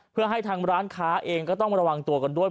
เพื่อให้ทางร้านค้าเองก็ต้องระวังตัวกันด้วย